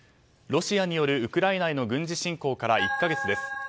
ロシアによるウクライナへの軍事侵攻から１か月です。